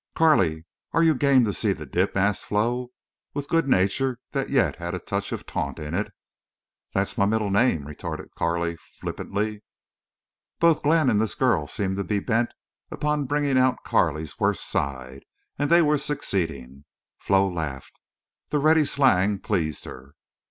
"Carley, are you game to see the dip?" asked Flo, with good nature that yet had a touch of taunt in it. "That's my middle name," retorted Carley, flippantly. Both Glenn and this girl seemed to be bent upon bringing out Carley's worst side, and they were succeeding. Flo laughed. The ready slang pleased her.